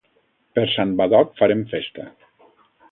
Per Sant Badoc farem festa.